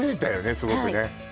すごくね